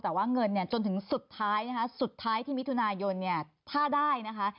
แต่ว่าเงินเนี่ยจนถึงสุดท้ายนะคะสุดท้ายที่มิถุนายนเนี่ยถ้าได้นะคะ